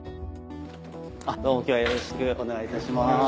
あっどうも今日はよろしくお願いいたします。